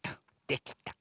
できた。